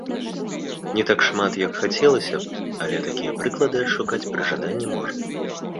Не так шмат, як хацелася б, але такія прыклады адшукаць пры жаданні можна.